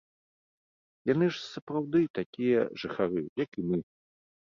Яны ж сапраўды такія жыхары, як і мы.